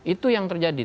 itu yang terjadi